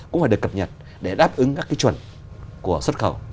cũng phải được cập nhật để đáp ứng các cái chuẩn của xuất khẩu